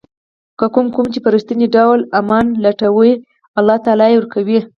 کوم قوم چې په رښتیني ډول امن لټوي الله تعالی یې ورکوي.